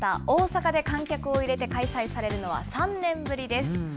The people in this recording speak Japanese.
大阪で観客を入れて、開催されるのは３年ぶりです。